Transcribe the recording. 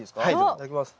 いただきます。